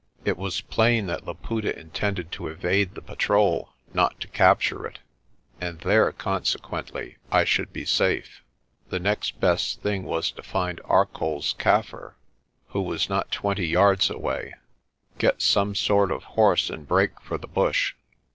It was plain that Laputa intended to evade the patrol, not to capture it, and there, consequently, I should be safe. The next best thing was to find ArcolPs Kaffir who was not twenty yards away, get some sort of horse and break for the bush.